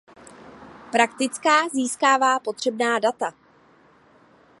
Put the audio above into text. Praktická získává potřebná data.